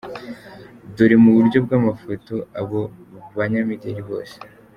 Dore mu buryo bw’amafoto abo banyamideli bose.